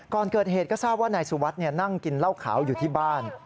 ก่อนเกิดเหตุก็ทราบว่านายสุวัสดิ์นั่งกินเหล้าขาวอยู่ที่บ้าน